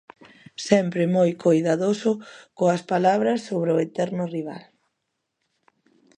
Sempre moi coidadoso coas palabras sobre o eterno rival.